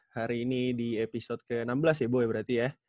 hari ini di episode ke enam belas ya bu ya berarti ya